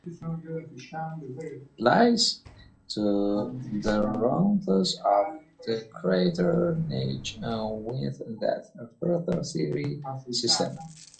It lies to the northeast of the crater Necho, within that feature's ray system.